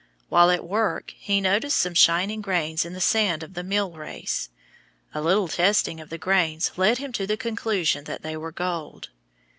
While at work he noticed some shining grains in the sand of the mill race. A little testing of the grains led him to the conclusion that they were gold.